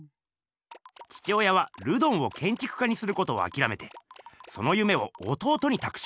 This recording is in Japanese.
父親はルドンをけんちく家にすることをあきらめてその夢を弟にたくします。